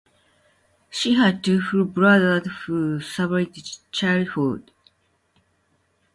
She had two full brothers who survived childhood.